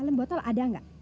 disitu coba beli kungu lagi